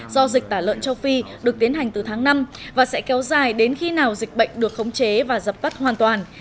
do dịch tả lợn châu phi được tiến hành từ tháng năm và sẽ kéo dài đến khi nào dịch bệnh được khống chế và dập tắt hoàn toàn